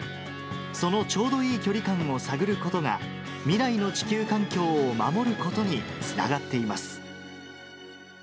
そのちょうどいい距離感を探ることが、未来の地球環境を守ることにつながっています。